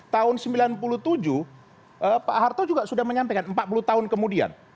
tahun seribu sembilan ratus sembilan puluh tujuh pak harto juga sudah menyampaikan empat puluh tahun kemudian